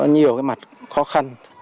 nhiều cái mặt khó khăn